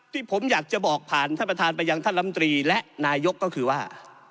ที่ผมอยากจะบอกผ่านท่านประธานไปยังท่านลำตรีและนายกก็คือว่า